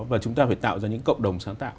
và chúng ta phải tạo ra những cộng đồng